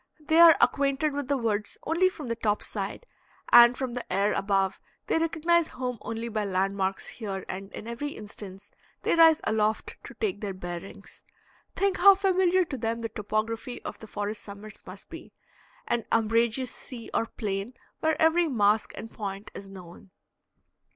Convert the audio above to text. They are acquainted with the woods only from the top side, and from the air above they recognize home only by land marks here, and in every instance they rise aloft to take their bearings. Think how familiar to them the topography of the forest summits must be an umbrageous sea or plain where every mask and point is known.